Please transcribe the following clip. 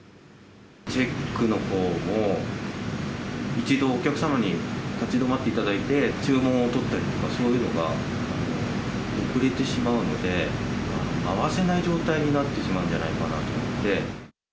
チェックのほうも１度、お客様に立ち止まっていただいて、注文を取ったりとかそういうのが遅れてしまうので、回せない状態になってしまうんじゃないかなと思って。